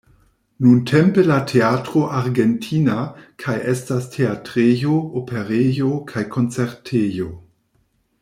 Nuntempe la Teatro Argentina kaj estas teatrejo, operejo kaj koncertejo.